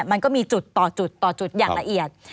มันก็มีจุดต่อจุดต่อจุดอย่างละเอียด